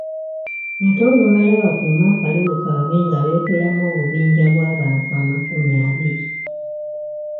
Ate olumala bakuume akalulu kaabwe nga beekolamu obubinja bw'abantu amakumi abiri.